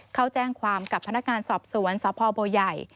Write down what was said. เขาแจ้งความกับพนักงานสอบสวนสพบัวใหญ่